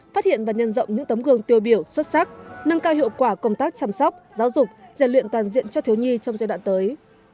phát hiện và nhân rộng những tấm gương tiêu biểu xuất sắc nâng cao hiệu quả công tác chăm sóc giáo dục giải luyện toàn diện cho thiếu nhi trong giai đoạn tới